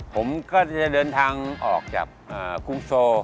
ผมก็จะเดินทางออกจากกรุงโซ